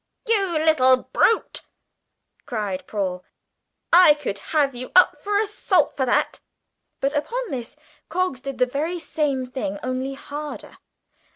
"You little brute!" cried Paul, "I could have you up for assault for that!" But upon this Coggs did the very same thing only harder.